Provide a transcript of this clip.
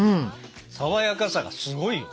さわやかさがすごいよ。